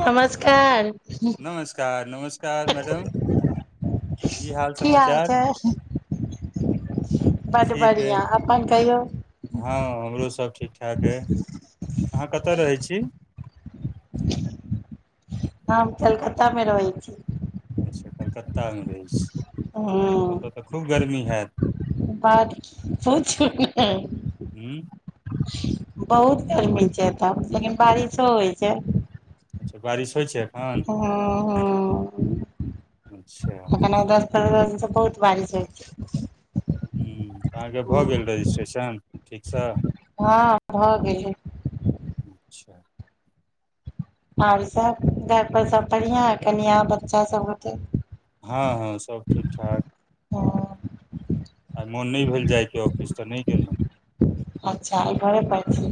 नमस्कार। नमस्कार- नमस्कार मैडम। की हाल चाल। बड़ बढ़िया अपन कहियौ। ह हमरोसब ठीक ठाक अइ, अहाँ कतय रहैय छी। हम कलकत्तामे रहै छी। अच्छा कलकत्तामे रहै छी ह ओतऽ त खूब गर्मी हैत। बड पूछू नैय। उं। बहुत गर्मी छैय ऐतऽ लेकिन बारिशो होइ छैय। अच्छा बारिश होइ छैय। हुँ- हुँ अच्छा अखैन दस पंद्रह दिन स बहुत बारिश होइ छैय। हू त अहाँके भऽ गेल रजिस्ट्रेशन ठीक स। हँ भऽ गेलय। अच्छा। और सभ घरपर सभ बढ़िआँ कनिआ बच्चासभ गोटे। हँ- हँ सब ठीक- ठाक। हं आइ मोन नै भेल जाय के औ फिस त नै गेलौ अच्छा घरे पर छी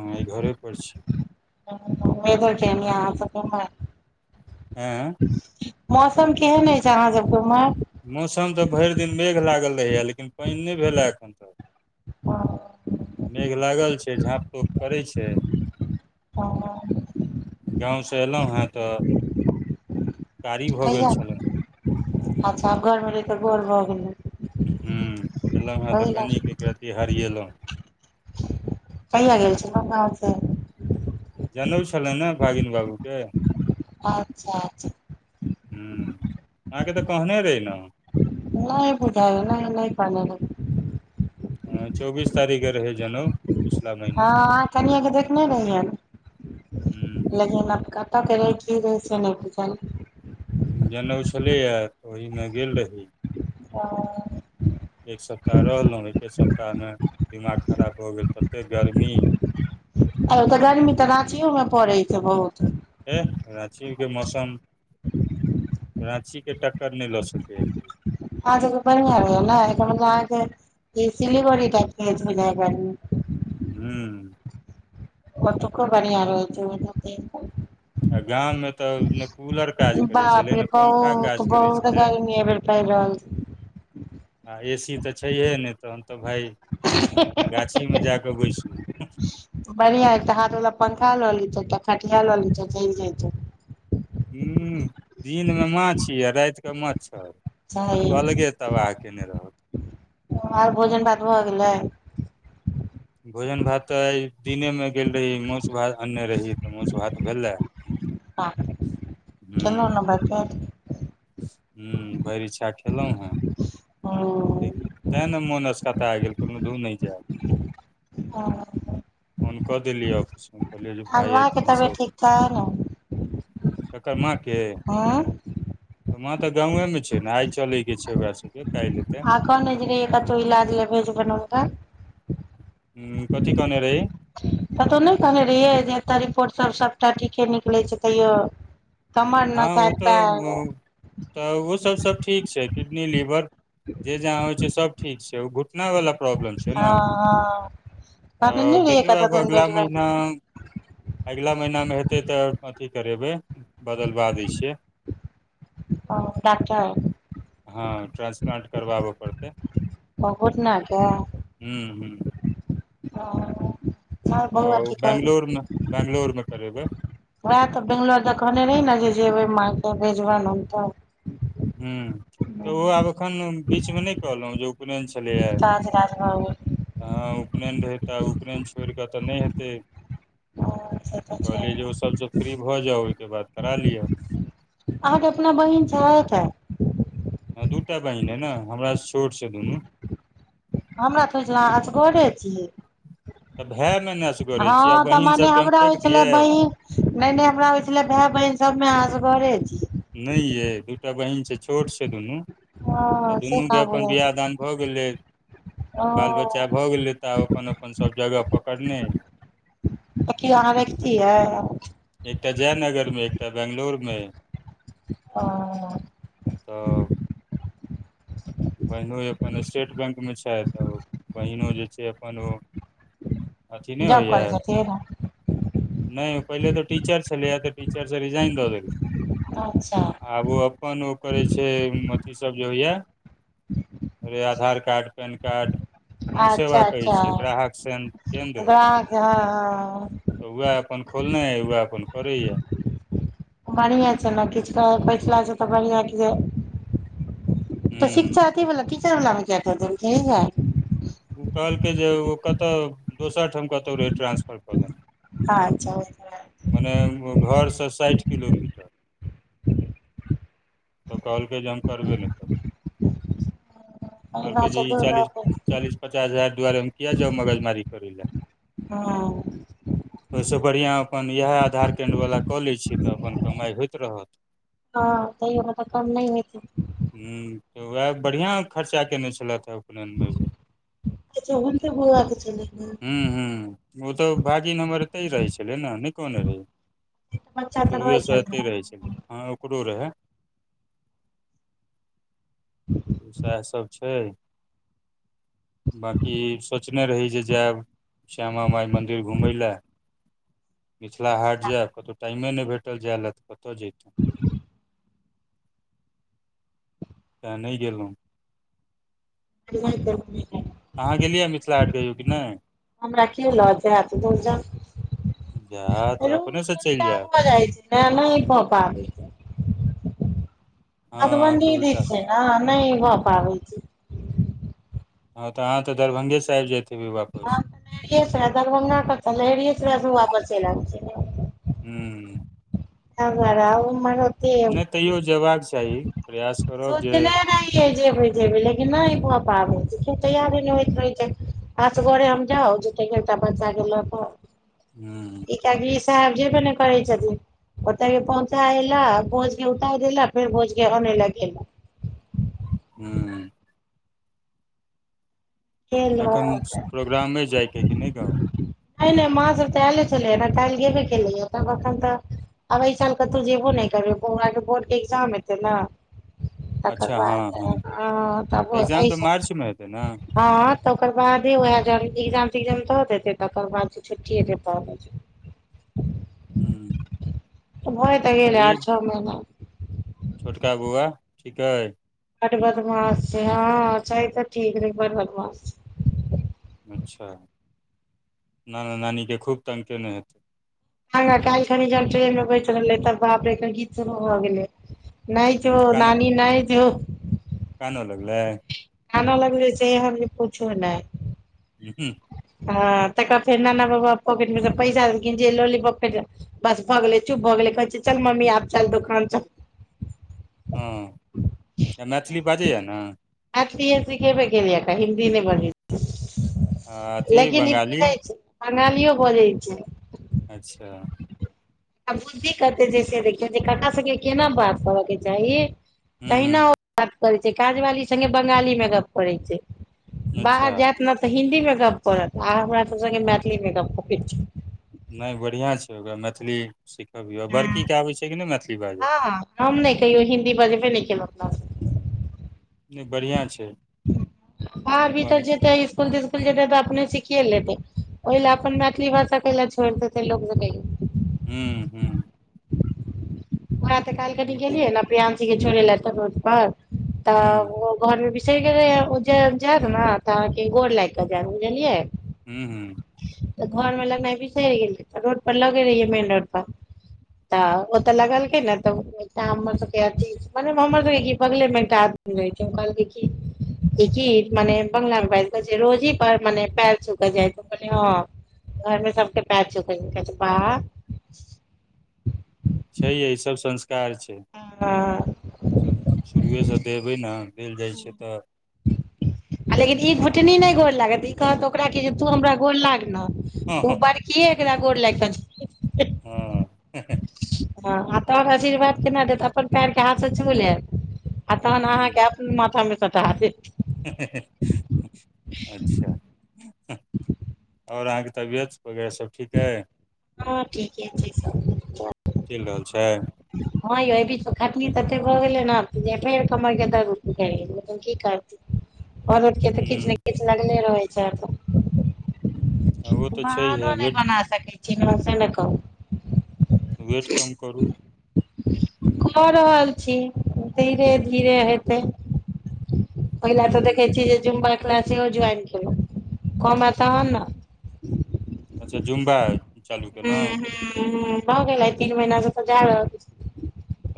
आय घरे पर छी। वेदर केहेन ये अहाँ सबके उम्हर। एँ। मौसम केहन अइछ अहाँ सबके उम्हर। मौसम त भइर दिन मेघ लागल रहैए लेकिन पाइन नै भेल ए एखन तक। हँ। मेघ लागल छैय झाँप तोप करै छैय। हँ। गाँवसँ एलौं हँ त। कहिया छलहुँ अच्छा आब घरमे रैहके बोर भ गेलै। हूँ एलौं हँ त लए कनिक एक रती हरिएलौं। कहिय गेल छलौ गांम से। जनउ छले ने भागिन बाबूके। अच्छा- अच्छा। ह अहाँके त कहने रही ने। नहि बुझाय नै -नै कहने रही। हं चौबीस तारीक क रहै जनऊ। हँ अहां कनिया के देखने रहियेन हूँ लेकिन आ क तऽ के रहै कि रहै से नहि बुझल अय। जनऊ छलैया तऽ ओहिमे गेल रही। अच्छा एक सप्ताह रहलऊ, एके सप्ताहमे दिमाग खराब भऽ गेल, तते गर्मी आ ओ तऽ गर्मी तऽ राँचियो मे पड़ै छै बहुत ऐह रांची के मौसम राँचि के टक्कर नहि लऽ सकैए अहा सबके बढ़िया रहै य नहि, ऐकर मतलब अहांके सिलीगुड़ी टाइप के अछि बुझाय यैं गर्मी। हम्म ओतूको बढ़ियां रहै बुझलऊ आ गाममे तऽ ने कूलर काज की करै छलै बाप रे ने पंखा बहुत काज करै -बहुत छलै गर्मी अय बेर पैड़ रहल छै। [inaudible] आ ए सी तऽ छैहे नहि, तहन तऽ भाय गाछीमे जाकऽ बैसु। बढ़ियां एकटा हाथ बला पंखा ल लितौ, एकटा पटिया लऽ लितौ चलि ज‌इतौ। हूं दिनमे माछी आ राति कऽ मच्छर। अलगे तबाह केने रहत। अओर भोजन भात भऽ गेलै। भोजन भात त आय दिनेमे गेल रही मौंस भात अनने रही, तऽ मौस भात भेलै। आहां खेलौ न भैर पेट। हम्म भरि इच्छा खेलहु हैं हूँ तय तैं न पने मोन असकता गेल कहलऊ धू नहि जैब। हँ फोन कऽ देलियै ऑफिसमे, कहलियै जे आब भाय आइ माँ के तूही तबियत सब ठीक छै ने ककर माँके हूँ मां तऽ गांवे मे छै न, आइ चलै के छै ओकरा सबके काल्हि एतय। आ कहने जे रहियै कतऊ इलाज ले भेजबनि हुनका। हम्म कथि कहने रहि। कतहु नहि कहने रहियै जे, एतऽ रिपोर्टसब सभटा ठीके निकलै छै तैयो तमर न हँ ओ करता तऽ ओ उ- तऽ उहो सब-सब ठीक छै, किडनी, लीवर जे जहाँ होइ छै सब ठीक छै, ओ घुट ना वला प्रॉब्लम छै ना। हँ हँ अ कहने नहि रहियै देखियौ कतऽ अब दन अगला महीना। भेजबनि अगिला महीना मे हेतै तऽ अथी करेबै। बदलबा दै छियै। डॉक्टर हँ ट्रान्सप्लांट करबाबऽ पड़तै। ओ घुटना के हूं हम्म ओ त‌ उ बैंगलूर मे-बैंगलूर मे करेबै। वएह तऽ बंगलोर दे कहने रही न जे, जेबै माँ के भेजबनि ओंतऽ। हम्म तऽ ओ आब एखन बीच मे नहि कहलहुँ जे उपनैन छ छलै यैं काज राज भऽ हँ उपनयन रहै त, उपनयन छोड़ कऽ तऽ नहि हेतै। गेल से तऽ छै कहलियै जे ओ सब स फ्री भऽ जाउ ओयके बाद करा लियअ। अहाँके अपना बहीन छैथ? हँ दूटा बहिन अइ न हमरा स छोट छैय दुनू। हमरा तऽ होइ छेला अहाँ असगरे छी। तऽ भै न मै हँ तऽ मने हमरा होइ छलै बहि नैय-नैय हमरा होई छेलै भै बहिन सबमें अहाँ असगरे छी। नैय यै दूटा बहीनन छैय छोट छै दुनू। हँ तऽ से दुनू के कहाँ अपन बुझल बियाह छै दान भऽ गेलै ओ बाल-बच्चा भऽ गेलै तऽ आब अपन-अपन सभ जगह पकड़ने अइ। तऽ की अहाँ रैखतीयै? एकटा जयनगर में एकटा बेंगलोर में। ओ तब बहिनोई अपन स्टेट बैंकमे छैथ बहिनो जे छै अपन ओ अथी नैय जॉब होइए करै छथिन नैय पहिले तऽ टीचर छेलैए तऽ टीचर स रिजाइन दऽ देलकै। अच्छा। आब ओ अपन ओ करै छै अथी सब जे होइएा अरे आधार कार्ड पेन कार्ड कुन सेवा अच्छा कहै छियै अच्छा ग्राहक सेन केन्द्र? ओकरा अहाँके हँ तऽ वएह अपन खोलने अइ वएह अपन करैए। बढ़िएँ छै न किछ तऽ बइढ़ला स तऽ बढ़िआँ कि जे तऽ ह शिक्षा अथीवला टीचर वला में किए कऽ देलकै इहै। उ कहलकै जे ओ कतऽ दोसर ठाम कतौउ रहै ट्रांसफर कऽ दने। अच्छा [unintelligible] मने घर स साइठ किलोमीटर। तऽ कहलकै जे हम करबे नैय करब। कहलकै जे भाषा ई दूर चालीस रहतै चालीस पचास हजार दुआरे हम किया जाउ मगज मारी करै लए। हँ। तऽ ओय स बढ़ियाँ अपन इहै आधार केन्द्र वला कऽ लै छी तऽ अपन कमाई होइत रहत। हँ तऽ अयहो में तऽ कम नैय होयतै। ह्म्म तऽ उहै बढ़िआँ खर्चा केने छलैथ है उपनेन में अय बेर। कत्ते बौआ के छेलै? हम्म हूँ ओ तऽ भागिन हमर एतै रहै छेलै न नैय कहने रही। बच्चा तऽ शुरुए रहै स एतै रहै छलै हँ ओकरो रहै। सएहसभ छै। [inaudible] बाँकी सोचने रही जे जैब श्यामा माई मन्दिर घुमय लै। [inaudible] मिथला हाट जैब छलखिन कतौउ टाइमे नै भेटल जाय लए तऽ कतऽ जैतौं। तैं नैय गेलौं। अहाँ गेलियै मिथिला हाट कहियो कि नहि [unintelligible] हमरा की लऽ जैत धूड़ जाउ। जा तऽ अपनेसँ रूट चलि उल्टा जायब भऽ जाइ छै न नैय कऽ पाबी। हँ मधुबनी अहाँके उल्टा दिस छै ने, नहि भ पाबै छै। हँ, तऽ अहाँ तऽ, दरभंगेसँ आबि ज जेतियै वापस। नैरसराय, दरभंगा लहेरियेसराय से वापस चली एब। हू। एमहर आबु, ओम्हर होइत। नहि तैयो जयबाक चाही, प्रयास करब जे सोचने रहियै जेबै -जेबै लेकिन नहि भऽ पाबै छै, फेर क्यों तैयारी नहि होइत रहै छै। आस घरे हम जाउ, झूठे के एकटा परसादी ल क। हू। कियाकी ई साहेब! जेबे ने करै छथिन। ओतय के पहुँचा एला, भोज के उतार देला, फेर भोज के अनेला गेल। हू। तऽखन गेलक प्रोग्राम अई जाइके, कि नहि गाँव? नहि- नहि माँ सब त अले छललै, काइले गेबे केेलैय, त अखन तऽ आब एहि साल कतो जेबो नहि करबै, बौआ के बोर्ड के एग्जाम हेतै ने। तकर अच्छा बाद इ हँ, तब अइ सा मेतै ने [unintelligible] हँ तकर बादे, वएह ज एग्जाम -तग्जाम दऽ देतै, तकर बाद छुट्टीएतै तब। हूँ भय तऽ आ गेलै, ई आठ छओ महिना। छोटका बौआ ठीक अई। ट बदमाास छै, हँ, छई तऽ ठीक, लेकिन बड बदमाास। अच्छा नाना नानीके खूब तंगग केेने हेतै। ह काल्हि खनी जब ट्रेन मे बैस रहले, तब बाप रे गीत शुरू भए गेलै। नहि जो, हूँ नानी नहि जो। कान लगलै? कान लगलै से एहन भी से पुछो नहि। हु- हूँ। हँ, तखन फेर नाना बाबा पॉकेट मे से पैसा देलखिन, जे लौली पॉप के जे बस भगले, चुप भग गेले, कहै छै, चल मम्मी आब चल दुकान चल। हँ, आ मैथिली बाजैया ने? मैथिलीये सिखेबे केलिये अखन, हिंदी नै बजै आ अथी लेकिन ई बंगाली बुझै छै, बंगालियो बजै छै। अच्छा! बुद्धि कते छै से देखियौ, जे क सबके केना बात करऽ के चाही, हूँ तहिना ओ हूँ बात करै छै, काजवाली संगे बंगाली मे गप करै छै, अच्छा बाहर जायत ने तऽ हिन्दी मे गप करत, आ हमरा सब संगे, मैथिली मे गप करै छै। नहि बढ़िआँ छै, ओकरा मैथिली सीखबियौ, बड़कीके हँ आबै छै कि नहि, मैथिली बाजब? हम नहि कहियो हिन्दी बाजबे नहि केलौ, एत। नहि बढ़िआँ छै। बाहर अपन भीतर जेतै इस्कूल तिस्कू स्कूल जेतै तऽ अपने सिखिए लेते, ओहि लए अपन मैथिली भाषा कै ले छोड़ि देते, लोको [unintelligible] हू- हू। ओह तऽ काल्हि कनि बिलकुल गेलियै ने, प्रियंसी के छोड़ ले त रोड पर, तऽ हूँ ओ घर मे बिसैर गेलेया, ओ जे जायत ने तऽ अहाँके गोर लाइग के जायत, बुझलियै। हू- हू। तऽ घर मे लगनाय बिसैर गेलिये तऽ रोड पर लगे रहियै मेन रोड पर। तऽ ओ तऽ लगल के ने तऽ उ एकटा हमर सबके अथी मतलब हमर सबके कि बगले मे एकटा आदमी रहै छै, उ कहलकै कि ए की मने बंगला मे बाएज के कहै छै रोजी पर मने पैर छू के जाएत कहलिये हां। घर मे सबके पैर छू के कहै छै बा। छैये ई सब संस्कार छै सब। शुरुए से देबै ना देल जाय छै तऽ। आ लेकिन ई घुटनी नै गोर लागत, ई कहत ओकरा कि जे तू हमरा गोर लाग नै, हँ उ हँ बड़ के एकरा गोर लाग के हां। हां आ तब आशीर्वाद केना देत अपन पैएर के हाथ से छू लेब आ तहन अहाँ के हूँ अपन माथा मे सटा देत। अच्छा। और अहाँ के तबियत वगैरा सब ठीक अय, हँ ठीके छै चैल रहल छै। हां यौ ए बीच मे खटनी तते भऽ गेलै ने जे फेर कमर के दर्द उठ गेलै, लेकिन की कर औरत के तऽ किछ नै हूँ किछ लगले रहै छै अ ओ तऽ छैहे बहानो नै वेट बना सकै छी नु से ने कहु। वेट कम करू। कऽ रहल छी धीरे-धीरे हेतै। पहिला तऽ हूँ देखै छी जे जुम्बा क्लास सेहो ज्वाइन केलु कमा ए तहन नै। अच्छा जूम्बा। हुं-हुं-हुं भ गेलै तीन महिना से तऽ जा रहल छी।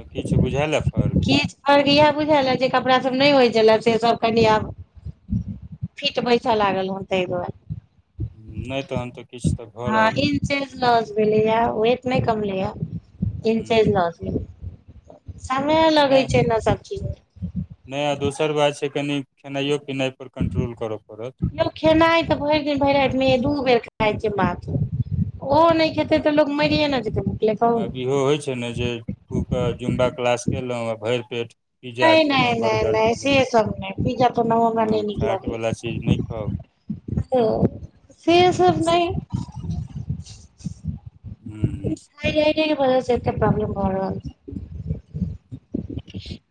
तऽ किछ बुझाएल अय फर्क। किछ फर्क इहाए बुझाएल अय जे कपड़ा सब नै होय छलै से सब कनि आब फीट बैसा लागल हय तै दुआरे। नै तहन तऽ किछ तऽ भऽ रहल अय। सेज लॉस भेलै या, वेट नै कम लै या, इंचेज हूँ लॉस भेलै। समय लगै छै ना सब चीज मे। नै आ दोसर बात छै कनि खेनाइयो पिनाय पर कंट्रोल करा पड़त। खेनाय तऽ भैर दिन, भैर रात मे हेया दू बेर खाय छीये मात्र। ओहो नै खेतै तऽ लोग मरिये ने जेतै भुखले कहु। ओय मे जे खूब के जुम्बा क्लास केलौ आ भैर पेट पिज्जा खेलहुँ बर्गर नै-नै-नै-नै से खेलहुँ सब नै पिज्जा तऽ [unintelligible] नै हँ नीक फैट लगैया। वला चीज नहि खाउ ओ से सब नै ईसभ। हुं। थायराइडे के वजह से एते प्रोब्लम भ रहल छै।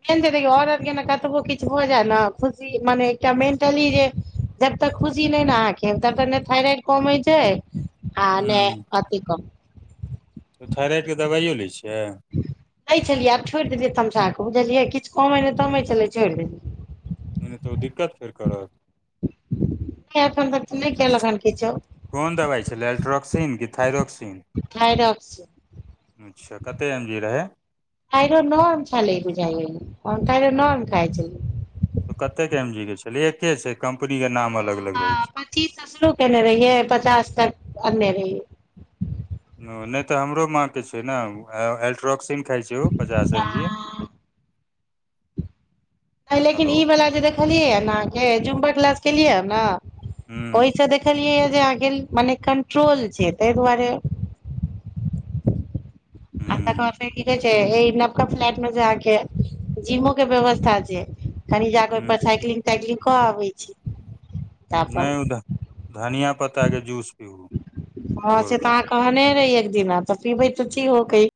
मेन छै देखियो औरत के नै कतबो किछ भ जाय ना खुशी मने एकटा मेंटली जे जब तक खुशी नै ने अहाँके तब तक नै थायराइड कमे छै। आ नै अथी कम उ थायराइड के दवाइयो लै छियै। [inaudible] लै छलियै आब छोड़ देलियै तमसा कऽ बुझलियै किछ कम नै तमेै छलै छोड़ देलियै। नै तऽ ओ दिक्कत फेर करत। नै अखन तक तऽ नै केलक हन किछो। कोन दबाइ छलै एल्ट्रोक्सिन कि थाइरोक्सिन हाइरोकस अच्छा, कते एम जी रहै? थाइरोनॉन छलै बुझाइये यो हम थाइरोनॉन खाइ छलियै। कतेक एम जी के छलै, एके छै कम्पनीके नाम अलग अलग रहै छै। तीस स शुरू केने रहियै पचास तक आने रहियै। ओ नइ तऽ हमरो माँके छै न ए-एल्ट्रॉक्सिन खाइ छै ओ पचास एम जी। हँ हय लेकिन हेलो ई वाला जे देखलियै न अहाँके जुमबक इलाज केलिया न हूँ ओहिसँ देखलियै जे आगे, मने कंट्रोल छै तायि दुआरे आ तकर हम्म बाद की कहे छै ए नवका फ्लैट मे जे अहांके जिमो के व्यवस्था छै। कनि जा कऽ हूँ ओईपर साइकलिंग ताइकलिंग कऽ अबै छि। नयि ओ ध धनिया पत्ता के जूस पीयू। हँ से तऽ अहाँ कहने रहे एक दिना तऽ पीबे तऽ ची हो कहीं